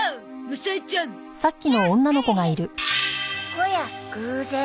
おや偶然。